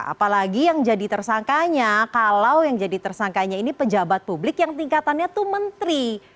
apalagi yang jadi tersangkanya kalau yang jadi tersangkanya ini pejabat publik yang tingkatannya itu menteri